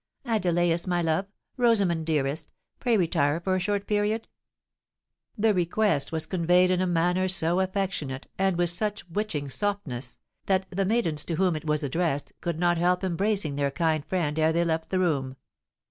Adelais, my love—Rosamond, dearest—pray retire for a short period." This request was conveyed in a manner so affectionate and with such witching softness, that the maidens to whom it was addressed, could not help embracing their kind friend ere they left the room.